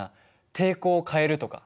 抵抗を変えるとか。